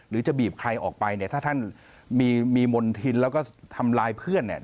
หรือจะบีบใครออกไปถ้าท่านมีมนทินแล้วก็ทำลายเพื่อน